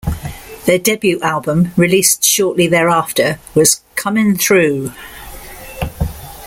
Their debut album, released shortly thereafter was "Comin' Through".